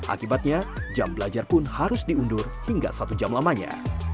akibatnya jam belajar pun harus diundur hingga satu jam lamanya